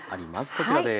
こちらです。